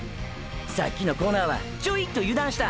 さっきのコーナーはちょいっと油断した。